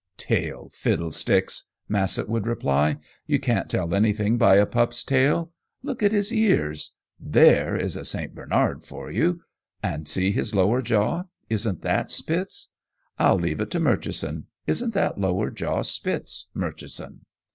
"Tail fiddlesticks!" Massett would reply. "You can't tell anything by a pup's tail. Look at his ears! There is St. Bernard for you! And see his lower jaw. Isn't that Spitz? I'll leave it to Murchison. Isn't that lower jaw Spitz, Murchison?"